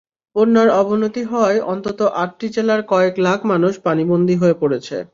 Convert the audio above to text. বন্যার অবনতি হওয়ায় অন্তত আটটি জেলার কয়েক লাখ মানুষ পানিবন্দী হয়ে পড়েছে।